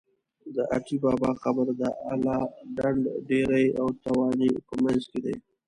د اټی بابا قبر د اله ډنډ ډېری او تانې په منځ کې دی.